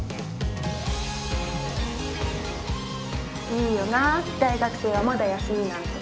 いいよな大学生はまだ休みなんて。